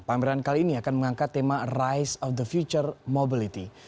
pameran kali ini akan mengangkat tema rice of the future mobility